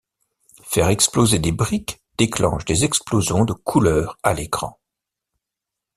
Faire exploser des briques déclenche des explosions de couleur à l'écran.